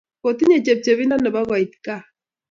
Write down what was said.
Kotinye chepchepindo nebo koit kaa